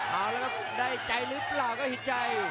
เอาละครับได้ใจหรือเปล่าก็เห็นใจ